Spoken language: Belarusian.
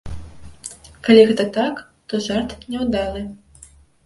Калі гэта так, то жарт няўдалы.